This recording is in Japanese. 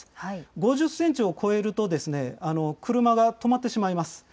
５０センチを超えるとですね、車が止まってしまいます。